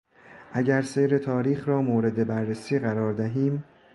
اگر سیر تاریخ رامورد بررسی قرار دهیم...